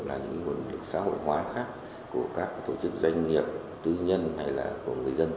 là những nguồn lực xã hội hóa khác của các tổ chức doanh nghiệp tư nhân hay là của người dân